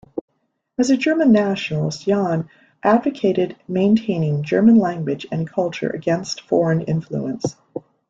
As a German nationalist, Jahn advocated maintaining German language and culture against foreign influence.